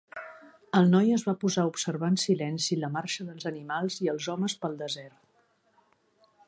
El noi es va posar a observar en silenci la marxa dels animals i els homes pel desert.